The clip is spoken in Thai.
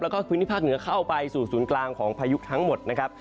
แล้วก็พื้นที่ภาคเหนือเข้าไปสู่ศูนย์กลางของพายุทั้งหมดนะครับ